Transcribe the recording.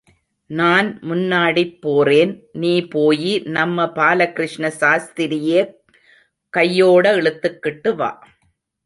நான் முன்னாடிப் போறேன் நீ போயி நம்ம பாலகிருஷ்ண சாஸ்திரியேக் கையோட இழுத்துக் கிட்டுவா.